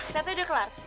setnya udah kelar